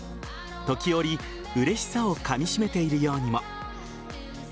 時折、うれしさをかみしめているようにも。